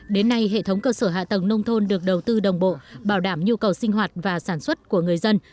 đến nay hệ thống cơ sở hạ tầng nông thôn được đầu tư đồng bộ bảo đảm nhu cầu sinh hoạt và sản xuất của người dân